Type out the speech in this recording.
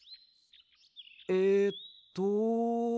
えっと。